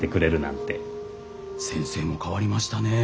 先生も変わりましたね。